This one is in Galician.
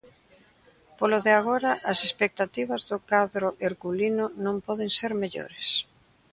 Polo de agora, as expectativas do cadro herculino non poden ser mellores.